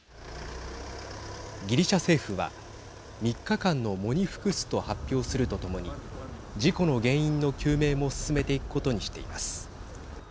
ギリシャ政府は３日間の喪に服すと発表するとともに事故の原因の究明も進めていくことにしています。